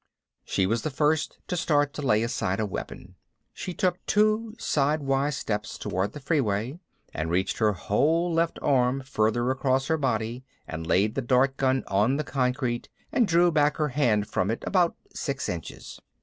She was the first to start to lay aside a weapon. She took two sidewise steps toward the freeway and reached her whole left arm further across her body and laid the dart gun on the concrete and drew back her hand from it about six inches.